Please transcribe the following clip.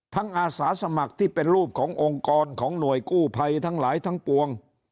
อาสาสมัครที่เป็นรูปขององค์กรของหน่วยกู้ภัยทั้งหลายทั้งปวง